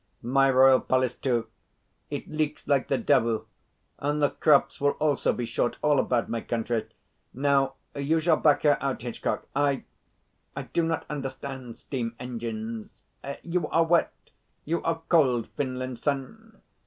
My royal palace, too, it leaks like the devil, and the crops will also be short all about my country. Now you shall back her out, Hitchcock. I I do not understand steam engines. You are wet? You are cold, Finlinson?